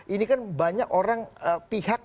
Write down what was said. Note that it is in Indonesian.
ini kan banyak orang pihak